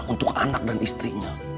untuk anak dan istrinya